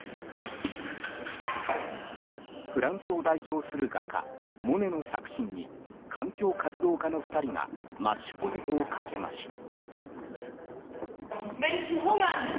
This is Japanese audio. フランスを代表する画家モネの作品に環境活動家の２人がマッシュポテトをかけました。